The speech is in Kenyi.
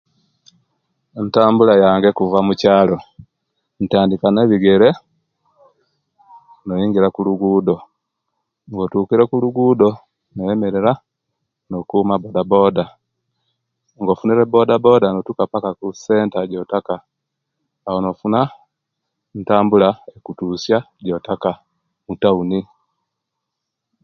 Entambula yange okuva mukyaalo, ntandiika nebigere nenyingira okulugudo, nga otukire kulugudo, noyemerera nokuma ku akaboda; nga ofunire kabodaboda, notuka kussenta ejotaka mutauni.